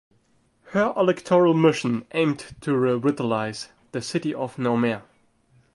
Her electoral mission aimed to revitalise the city of Noumea.